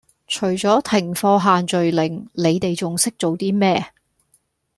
除左停課限聚令你地仲識做 D 咩